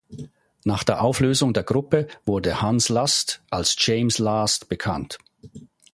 Nach der Auflösung der Gruppe wurde Hans Last als James Last bekannt.